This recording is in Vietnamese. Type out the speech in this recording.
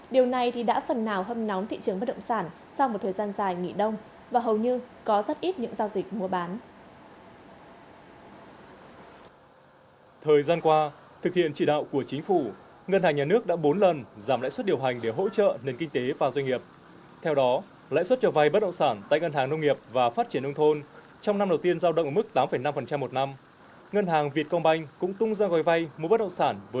điều này đã phần nào hâm nóng thị trường bất động sản sau một thời gian dài nghỉ đông và hầu như có rất ít những giao dịch mua bán